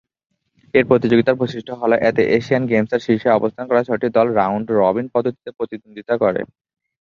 এ প্রতিযোগিতার বৈশিষ্ট্য হল এতে এশিয়ান গেমসের শীর্ষে অবস্থান করা ছয়টি দল রাউন্ড রবিন পদ্ধতিতে প্রতিদ্বন্দ্বিতা করে।